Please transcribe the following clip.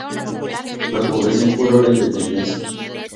La población juró la independencia.